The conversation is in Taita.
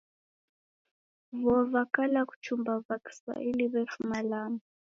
Vuo va kala kuchumba va Kiswahili vefuma Lamu